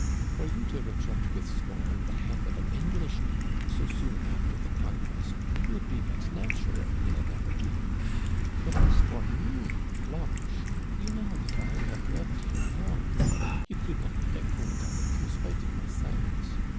For you to reject with scorn the hand of an Englishman so soon after the conquest would be but natural in a D'Haberville ; but as for me, Blanche, you know that I have loved you long — ^you could not be ignorant of it, in spite of my silence.